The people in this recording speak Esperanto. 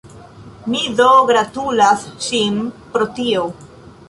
Mi do gratulas ŝin pro tio!